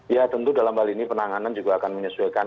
ya tentu dalam hal ini penanganan juga akan menyesuaikan